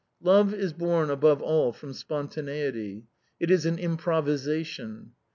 Love is born above all from spontaniety — it is an impro visation.